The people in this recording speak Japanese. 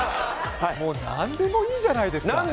もう、何でもいいじゃないですか。